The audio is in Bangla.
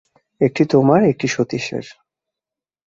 একটি তোমার, একটি সতীশের।